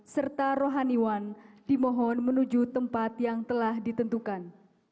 serta rohaniwan dimohon menuju tempat yang telah ditentukan